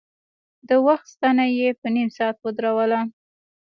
د وخت ستنه يې په نيم ساعت ودروله.